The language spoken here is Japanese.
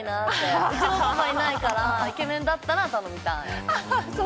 うちもパパいないからイケメンだったら頼みたい。